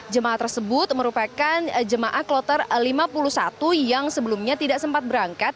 jemaah tersebut merupakan jemaah kloter lima puluh satu yang sebelumnya tidak sempat berangkat